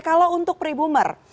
kalau untuk pre boomer